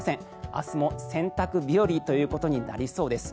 明日も洗濯日和ということになりそうです。